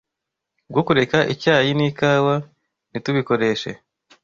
bwo kureka icyayi n’ikawa, ntitubikoreshe